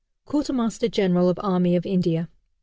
Quartermaster general of Army of India.